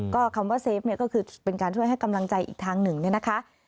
ก็คำว่าเซฟเนี่ยก็คือเป็นการช่วยให้กำลังใจอีกทางหนึ่งเนี่ยนะคะ